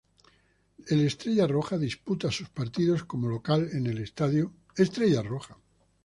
El Estrella Roja disputa sus partidos como local en el estadio Estrella Roja.